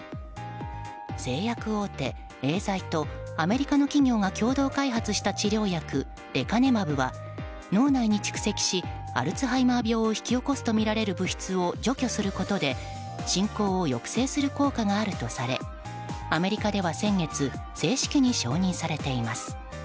製薬大手エーザイとアメリカの企業が共同開発した治療薬レカネマブは、脳内に蓄積しアルツハイマー病を引き起こすとみられる物質を除去することで進行を抑制する効果があるとされアメリカでは先月正式に承認されています。